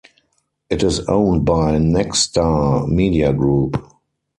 It is owned by Nexstar Media Group.